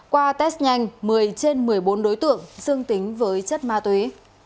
qua test nhanh một mươi trên một mươi bốn đối tượng dương tính với chất ma túy